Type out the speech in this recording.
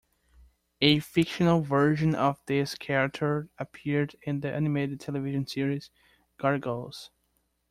A fictional version of this character appeared in the animated television series Gargoyles.